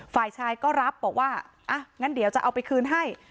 ฝ่ายชายก็รับบอกว่าอ่ะงั้นเดี๋ยวจะเอาไปคืนให้